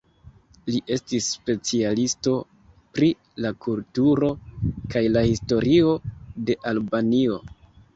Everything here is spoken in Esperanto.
Li estis specialisto pri la kulturo kaj la historio de Albanio.